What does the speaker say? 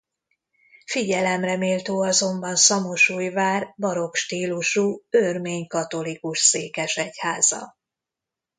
Figyelemre méltó azonban Szamosújvár barokk stílusú örmény-katolikus székesegyháza.